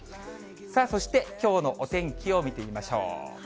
さあ、そしてきょうのお天気を見てみましょう。